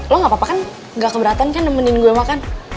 lo gak apa apa kan gak keberatan kan nemenin gue makan